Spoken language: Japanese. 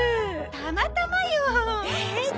たまたまよ！